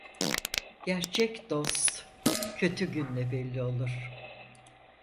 Gerçek dost kötü günde belli olur.